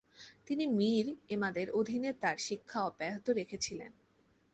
তিনি মীর এমাদের অধীনে তার শিক্ষা অব্যাহত রেখেছিলেন।